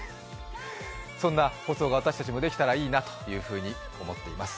そんな放送が私たちもできたらいいなと思っています。